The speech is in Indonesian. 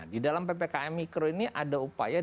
di dalam ppkm mikro ini ada upaya